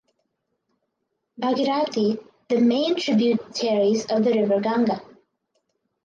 Bhagirathi the main tributaries of the river Ganga.